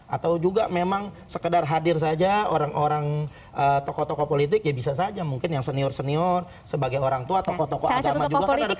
atau juga memang sekedar hadir saja orang orang toko toko politik ya bisa saja mungkin yang senior senior sebagai orang tua toko toko agama juga kan ada toko toko politik